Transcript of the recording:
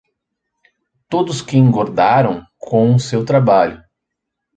Todos que engordaram com o seu trabalho!